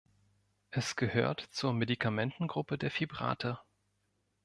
Es gehört zur Medikamentengruppe der Fibrate.